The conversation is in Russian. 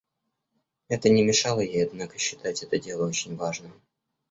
Это не мешало ей однако считать это дело очень важным.